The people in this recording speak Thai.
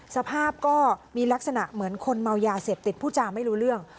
สภาพก็มีลักษณะเหมือนคนเมายาเสพติดผู้จาไม่รู้เรื่อง